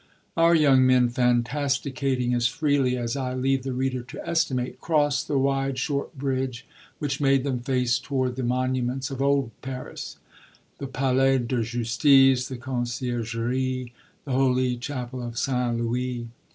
Our young men, fantasticating as freely as I leave the reader to estimate, crossed the wide, short bridge which made them face toward the monuments of old Paris the Palais de Justice, the Conciergerie, the holy chapel of Saint Louis.